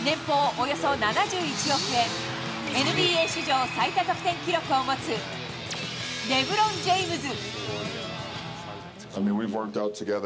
およそ７１億円、ＮＢＡ史上最多得点記録を持つ、レブロン・ジェームズ。